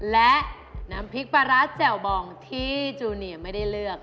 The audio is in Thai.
และน้ำพริกปลาร้าแจ่วบองที่จูเนียไม่ได้เลือก